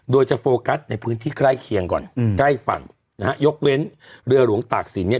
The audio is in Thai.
โดยจะโฟกัสในพื้นที่ใกล้เคียงก่อนอืมใกล้ฝั่งนะฮะยกเว้นเรือหลวงตากศิลปเนี่ย